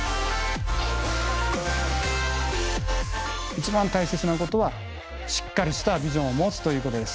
一番大切なことはしっかりしたビジョンを持つということです。